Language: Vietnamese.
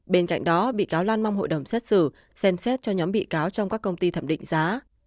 bên cạnh đó bị cáo lan mong hội đồng xét xử xem xét cho nhóm bị cáo trong các công ty thẩm định giá